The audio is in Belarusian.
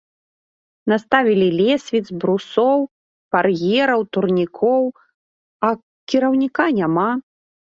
Наставілі лесвіц, брусоў, бар'ераў, турнікоў, а кіраўніка няма.